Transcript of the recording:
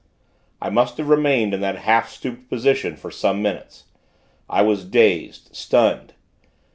I must have remained, in that half stooped position, for some minutes. I was dazed stunned.